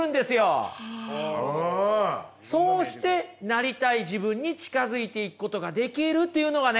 そうしてなりたい自分に近づいていくことができるっていうのがね